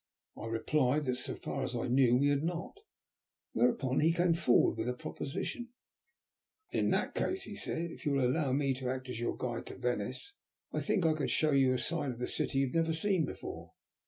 I replied that so far as I knew we had not, whereupon he came forward with a proposition. "In that case," said he, "if you will allow me to act as your guide to Venice, I think I could show you a side of the city you have never seen before.